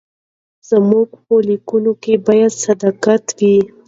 زموږ په لیکنو کې باید صداقت وي.